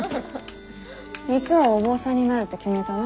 三生はお坊さんになるって決めたの？